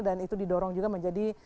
dan itu didorong juga menjadi